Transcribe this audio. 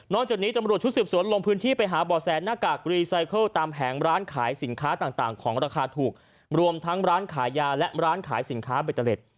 จากนี้ตำรวจชุดสืบสวนลงพื้นที่ไปหาบ่อแสหน้ากากรีไซเคิลตามแผงร้านขายสินค้าต่างของราคาถูกรวมทั้งร้านขายยาและร้านขายสินค้าเบตเตอร์เล็ต